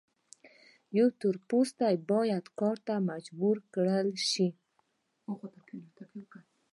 یو تور پوستی باید کار ته مجبور کړل شي.